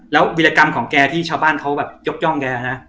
แล้ววิรกรรมของแกที่ชาวบ้านเขาแบบยกย่องแกนะ